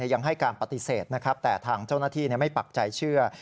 ยังให้การปฏิเสธนะครับแต่ทางเจ้าหน้าที่ไม่ปักใจเชื่อ